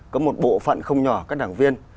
có một bộ phận không nhỏ các đảng viên